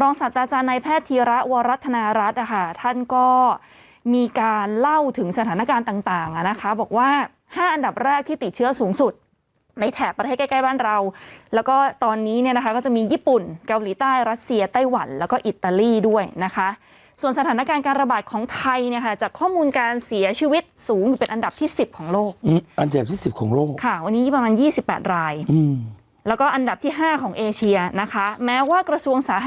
รองศาสตราจารย์นายแพทย์ธีระวรัฐนารัฐอ่ะค่ะท่านก็มีการเล่าถึงสถานการณ์ต่างต่างอ่ะนะคะบอกว่าห้าอันดับแรกที่ติดเชื้อสูงสุดในแถบประเทศใกล้ใกล้บ้านเราแล้วก็ตอนนี้เนี้ยนะคะก็จะมีญี่ปุ่นเกาหลีใต้รัสเซียไต้หวันแล้วก็อิตาลีด้วยนะคะส่วนสถานการณ์การระบาดของไทยเนี้ยค่ะจากข